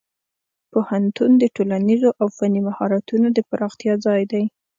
پوهنتون د ټولنیزو او فني مهارتونو د پراختیا ځای دی.